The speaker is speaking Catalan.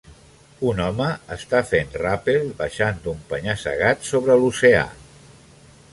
Un home està fent ràpel baixant d"un penya-segat sobre l"oceà.